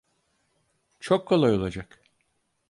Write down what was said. Çok kolay olacak.